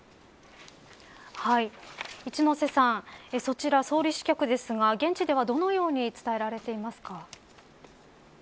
一ノ瀬さん、そちらソウル支局ですが現地ではどのように伝えられていますか。